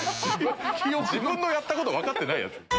自分のやったこと分かってないヤツ。